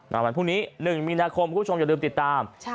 วันพรุ่งนี้๑มีนาคมคุณผู้ชมอย่าลืมติดตาม